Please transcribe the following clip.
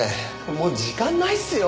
もう時間ないっすよ。